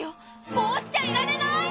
こうしちゃいられない！